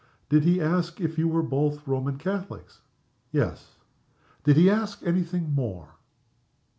"Did he ask if you were both Roman Catholics?" "Yes." "Did he ask any thing more?"